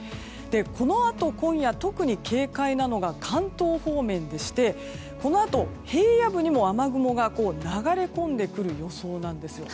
このあと、今夜特に警戒なのが関東方面でしてこのあと平野部にも雨雲が流れ込んでくる予想なんです。